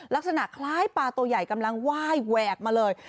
ลักษณะคล้ายปลาตัวใหญ่กำลังไหว้แหวกมาเลย